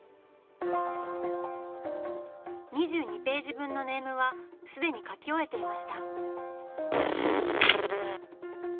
２２ページ分のネームはすでに描き終えていました。